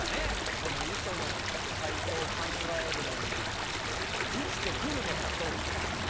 この嘘の解答考えるのに生きてくるのかどうか。